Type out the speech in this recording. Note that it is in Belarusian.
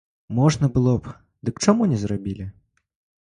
Можна было б, дык чаму не зрабілі?